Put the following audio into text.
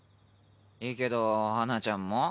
いいけど花ちゃんも？